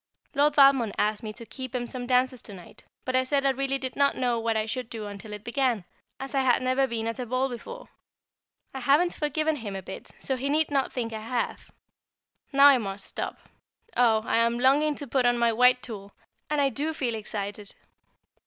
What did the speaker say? Lord Valmond asked me to keep him some dances to night, but I said I really did not know what I should do until it began, as I had never been at a ball before. I haven't forgiven him a bit, so he need not think I have. Now I must stop. Oh! I am longing to put on my white tulle, and I do feel excited.